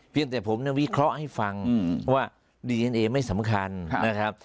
แต่ผมวิเคราะห์ให้ฟังว่าดีเอ็นเอไม่สำคัญนะครับ